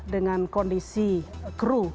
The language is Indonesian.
dengan kondisi kru